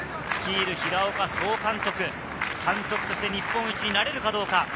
率いる平岡総監督、監督として日本一になれるかどうか。